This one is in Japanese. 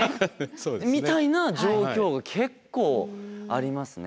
みたいな状況が結構ありますね。